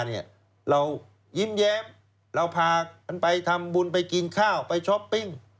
เรายิ้มแย้มเราพากันไปทำบุญไปกินข้าวไปช้อปปิ้ง